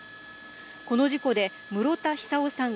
この事故で、室田久生さん